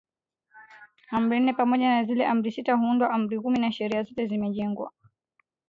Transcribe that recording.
Amri nne pamoja na zile Amri sita huunda Amri kumi na sheria zote zimejengwa